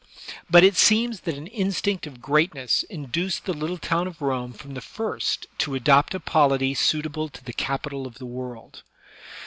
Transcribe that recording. But it seems that an instinct of greatness induced the little town of Rome from the first to adopt a polity suitable to the capital of the world.